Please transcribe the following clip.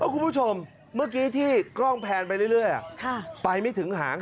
คุณผู้ชมเมื่อกี้ที่กล้องแพนไปเรื่อยไปไม่ถึงหาง